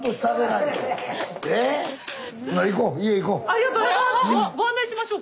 ありがとうございます！